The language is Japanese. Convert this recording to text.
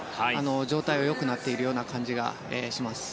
状態は良くなっているような感じがします。